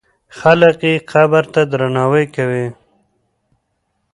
خلک یې قبر ته درناوی کوي.